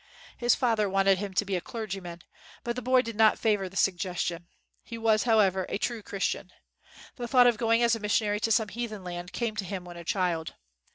His father wanted him to be a clergyman, but the boy did not favor the suggestion. He was, however, a true Christian. The thought of going as a missionary to some heathen land came to him when a child.